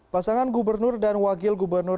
pasangan gubernur dan wakil gubernur